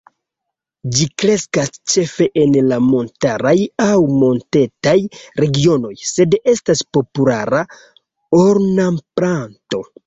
Ĝi kreskas ĉefe en la montaraj aŭ montetaj regionoj, sed estas populara ornamplanto.